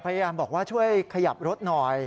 พยายามบอกว่าช่วยขยับรถหน่อย